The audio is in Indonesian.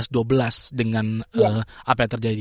dua belas dengan apa yang terjadi